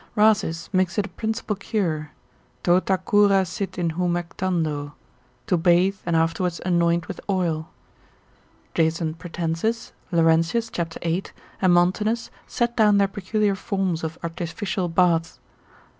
Rhasis makes it a principal cure, Tota cura sit in humectando, to bathe and afterwards anoint with oil. Jason Pratensis, Laurentius, cap. 8. and Montanus set down their peculiar forms of artificial baths.